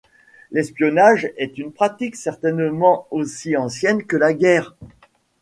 L'espionnage est une pratique certainement aussi ancienne que la guerre.